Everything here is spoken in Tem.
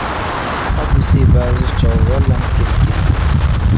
A bu si ibaazi cowuu wanlam kiri-kiri ge.